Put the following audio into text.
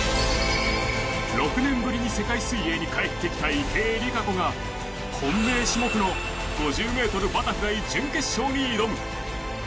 ６年ぶりに世界水泳に帰ってきた池江璃花子が本命種目の５０ｍバタフライ準決勝に挑む。